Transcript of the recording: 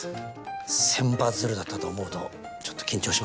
千羽鶴だったと思うとちょっと緊張しますね。